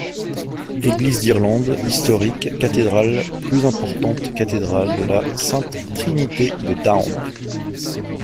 Église d'Irlande historique cathédrale plus important Cathédrale de la Sainte-Trinité de Down.